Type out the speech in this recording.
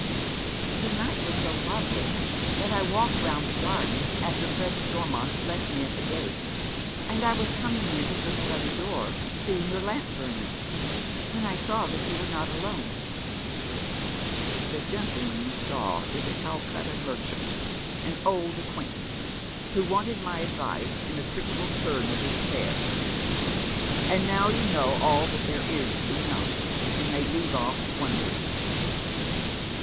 The night was so lovely, that I walked round the garden A Mysterious Visitor. 107 tffeer Fred Stormont left me at the gate, and I was coming in at your study door, seeing your lamp burning, when I saw that you v.ere not alone." "The gentleman you saw is a Calcutta merchant, an old acquaintance, who wanted my advice in a critical turn of his ail'airs. And now you know all that there is to be known, and may leave off wondering."